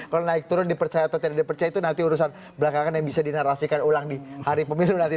kalau naik turun dipercaya atau tidak dipercaya itu nanti urusan belakangan yang bisa dinarasikan ulang di hari pemilu nanti